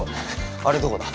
あれどこだ？